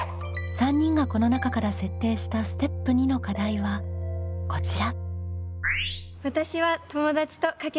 ３人がこの中から設定したステップ２の課題はこちら。